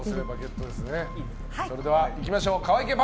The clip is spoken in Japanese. それではいきましょう。